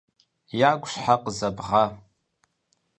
- Ягу щхьэ къызэбгъа?